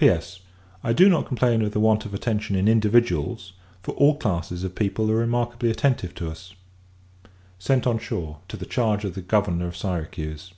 P.S. I do not complain of the want of attention in individuals, for all classes of people are remarkably attentive to us. Sent on shore, to the charge of the Governor of Syracuse.